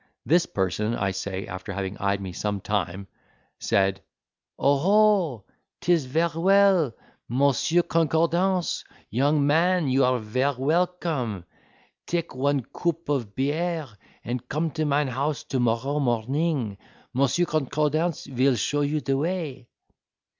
This person, I say, after having eyed me some time, said, "Oho, 'tis ver well, Monsieur Concordance; young man, you are ver welcome, take one coup of bierre—and come to mine house to morrow morning; Monsieur Concordance vil show you de way."